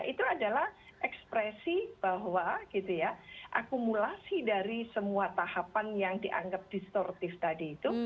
itu adalah ekspresi bahwa gitu ya akumulasi dari semua tahapan yang dianggap distortif tadi itu